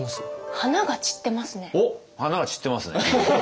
花が散ってますね。